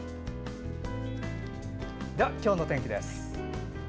では今日の天気です。